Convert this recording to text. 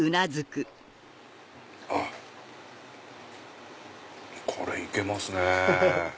あっこれ行けますね。